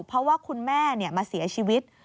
เพราะว่าคุณแม่มาเสียชีวิต